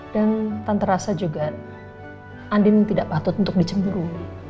dan tante rasa juga andien tidak patut untuk dicemburu